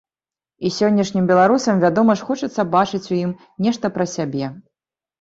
І сённяшнім беларусам, вядома ж, хочацца бачыць у ім нешта пра сябе.